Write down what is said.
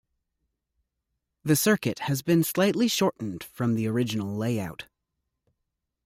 The circuit has been slightly shortened from the original layout.